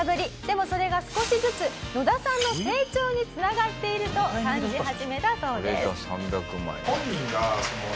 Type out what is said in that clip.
でもそれが少しずつノダさんの成長に繋がっていると感じ始めたそうです。